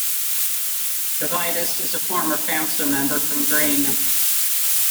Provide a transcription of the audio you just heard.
Devitis is a former Council member from Green.